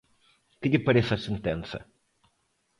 Que lle parece a sentenza?